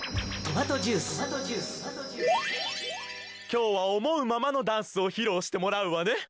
きょうはおもうままのダンスをひろうしてもらうわね。